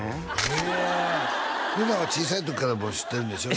へえ麗奈は小さい時からもう知ってるでしょ？